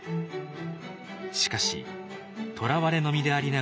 しかしとらわれの身でありながら家康は